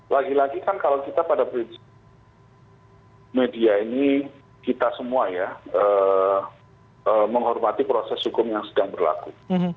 lagi lagi kan kalau kita pada prinsip media ini kita semua ya menghormati proses hukum yang sedang berlaku